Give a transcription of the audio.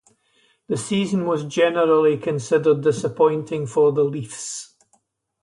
The season was generally considered disappointing for the Leafs.